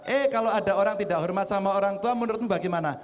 eh kalau ada orang tidak hormat sama orang tua menurutmu bagaimana